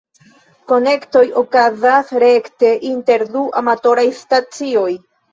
Konektoj okazas rekte inter du amatoraj stacioj.